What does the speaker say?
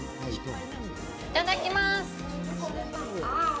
いただきまーす！